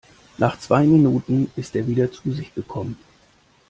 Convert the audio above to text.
Nach zwei Minuten ist er wieder zu sich gekommen.